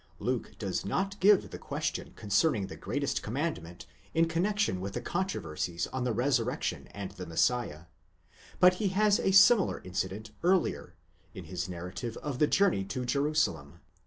Luke does not give the question concerning the greatest commandment in connexion with the controversies on the resurrection and on the Messiah ; but he has a similay incident earlier, in his narrative of the journey to Jerusalem (x.